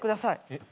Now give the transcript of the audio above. えっ？